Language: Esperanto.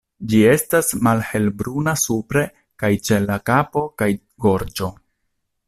Ĝi estas malhelbruna supre kaj ĉe la kapo kaj gorĝo.